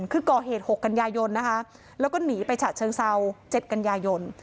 คือก่อเหตุ๖กันยายนนะคะแล้วก็หนีไปฉะเชิงเซา๗กันยายน